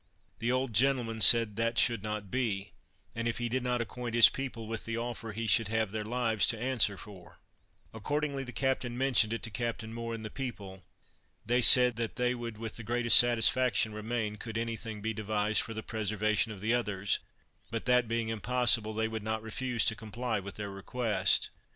The old gentleman said that should not be, and if he did not acquaint his people with the offer he should have their lives to answer for. Accordingly the captain mentioned it to Captain Moore and the people. They said that they would with the greatest satisfaction remain, could any thing be devised for the preservation of the others; but that being impossible, they would not refuse to comply with their request.